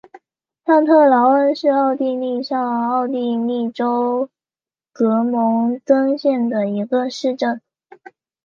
上特劳恩是奥地利上奥地利州格蒙登县的一个市镇。